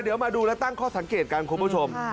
เดี๋ยวมาดูแล้วตั้งข้อสังเกตกันคุณผู้ชม